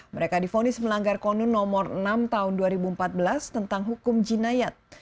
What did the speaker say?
mereka difonis melanggar konun nomor enam tahun dua ribu empat belas tentang hukum jinayat